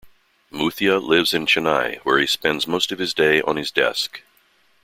Muthiah lives in Chennai where he spends most of his day on his desk.